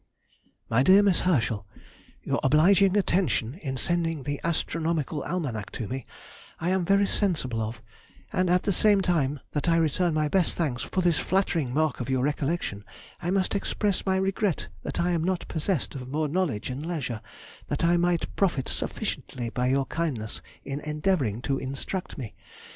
MY DEAR MISS HERSCHEL,— Your obliging attention in sending the Astronomical Almanack to me I am very sensible of, and at the same time that I return my best thanks for this flattering mark of your recollection, I must express my regret that I am not possessed of more knowledge and leisure, that I might profit sufficiently by your kindness in endeavouring to instruct me.